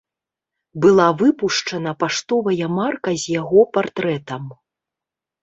Была выпушчана паштовая марка з яго партрэтам.